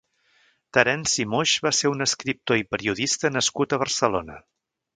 Terenci Moix va ser un escriptor i periodista nascut a Barcelona.